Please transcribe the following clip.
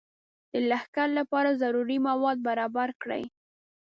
د لښکر لپاره ضروري مواد برابر کړي.